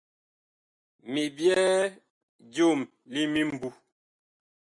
Mi byɛɛ joom li mimbu.